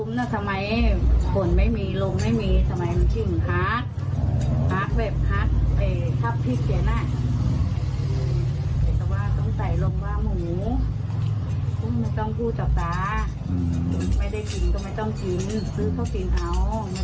ลุ้มน่ะสมัยผลไม่มีลมไม่มีสมัยมันจิ้งพักพักแบบพักเอ่ยทับพริกเกียรติน่ะ